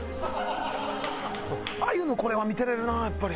あゆのこれは見てられるなやっぱり。